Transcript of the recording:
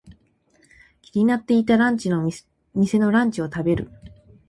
気になっていたお店のランチを食べる。